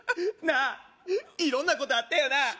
なあ色んなことあったよな